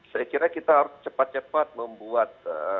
saya kira kita harus cepat cepat membuat